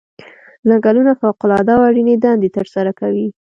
ځنګلونه فوق العاده او اړینې دندې ترسره کوي.